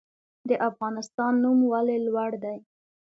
د افغانستان نوم ولې لوړ دی؟